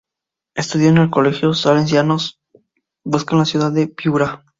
Estudió en el Colegio Salesiano Don Bosco de la ciudad de Piura.